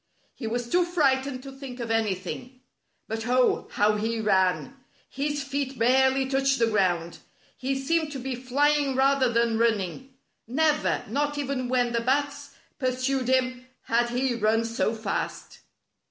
He was too frightened to think of anything. But, oh, how he ran! His feet barely touched the ground. He seemed to be flying rather than run ning. Never — not even when the Bats pursued him — had he run so fast.